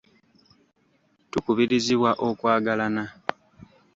Tukubirizibwa okwagalana.